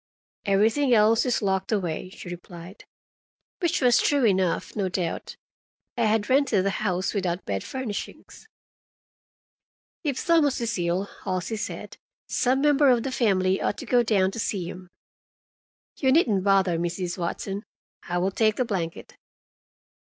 "Everything else is locked away," she replied. Which was true enough, no doubt. I had rented the house without bed furnishings. "If Thomas is ill," Halsey said, "some member of the family ought to go down to see him. You needn't bother, Mrs. Watson. I will take the blanket."